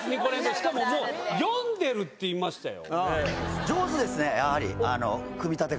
しかも読んでるって言いましたよ。